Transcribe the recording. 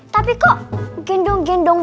tapi kok gendong gendong